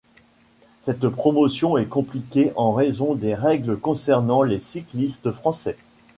Cette promotion est compliquée en raison des règles concernant les cyclistes français.